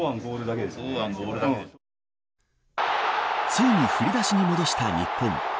ついに振り出しに戻した日本。